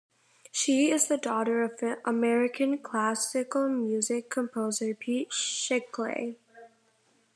She is the daughter of American classical music composer Peter Schickele.